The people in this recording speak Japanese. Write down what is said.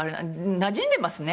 なじんでますね。